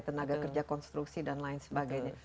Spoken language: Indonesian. tenaga kerja konstruksi dan lain sebagainya